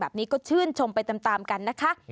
แบบนี้ก็ชื่นชมไปตามกันนะคะ